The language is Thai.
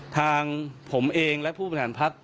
ทางผมเองและผู้ประหลาดพักษมณ์